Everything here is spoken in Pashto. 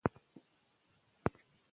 د ماشوم تعلیم د فقر مخه نیسي.